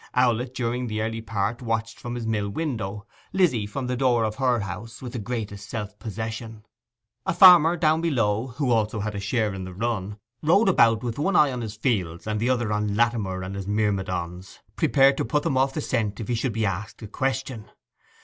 Owlett, during the early part, watched from his mill window, Lizzy from the door of her house, with the greatest self possession. A farmer down below, who also had a share in the run, rode about with one eye on his fields and the other on Latimer and his myrmidons, prepared to put them off the scent if he should be asked a question.